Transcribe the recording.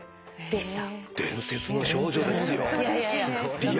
伝説の少女ですよ。